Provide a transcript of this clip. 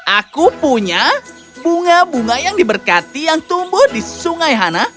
aku punya bunga bunga yang diberkati yang tumbuh di sungai hana